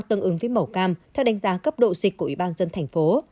tương ứng với màu cam theo đánh giá cấp độ dịch của ủy ban dân thành phố